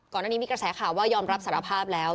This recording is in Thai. ก่อนหน้านี้มีกระแสข่าวว่ายอมรับสารภาพแล้ว